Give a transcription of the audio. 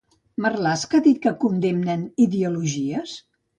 Marlaska ha dit que condemnen ideologies?